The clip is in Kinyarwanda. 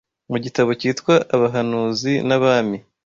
mu gitabo cyitwa Abahanuzi n’Abami